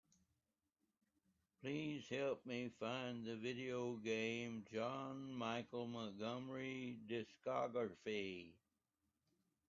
Please help me find the video game John Michael Montgomery discography.